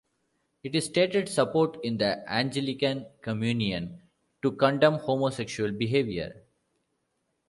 It stated support in the Anglican Communion to condemn homosexual behavior.